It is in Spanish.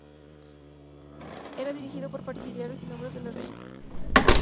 Era dirigido por partidarios y miembros de la reinante Casa de Norodom.